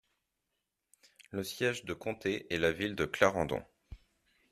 Le siège de comté est la ville de Clarendon.